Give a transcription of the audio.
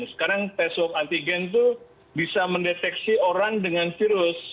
sekarang tes swab antigen itu bisa mendeteksi orang dengan virus